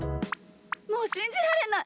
もうしんじられない！